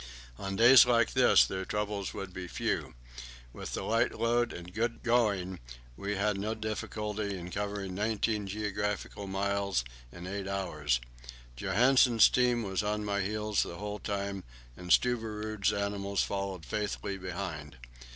On days like this their troubles would be few; with the light load and good going we had no difficulty in covering nineteen geographical miles in eight hours. Johansen's team was on my heels the whole time, and Stubberud's animals followed faithfully behind.